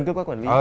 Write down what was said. cứ có quản lý